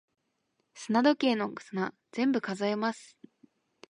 砂時計の砂、全部数えます。